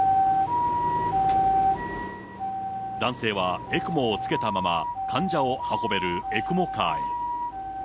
男性はＥＣＭＯをつけたまま患者を運べるＥＣＭＯカーへ。